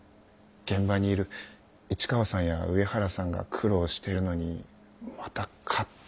現場にいる市川さんや上原さんが苦労してるのにまた勝手なことばかり。